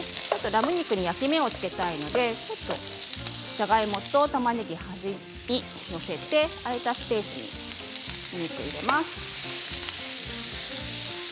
ラム肉に焼き目を付けたいのでじゃがいもとたまねぎを端に寄せて空いたスペースにお肉を入れます。